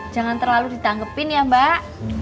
jangan terlalu ditangkepin ya mbak